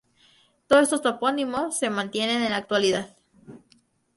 Todos estos topónimos se mantienen en la actualidad.